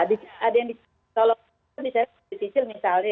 iya ada yang dicicil